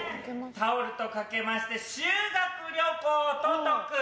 タオルと掛けまして修学旅行と解く。